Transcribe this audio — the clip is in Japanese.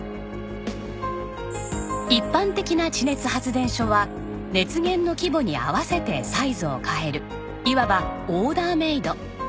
一般的な地熱発電所は熱源の規模に合わせてサイズを変えるいわばオーダーメイド。